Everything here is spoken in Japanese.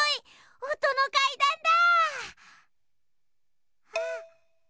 おとのかいだんだ！